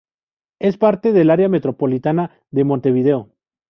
Es parte del área metropolitana de Montevideo.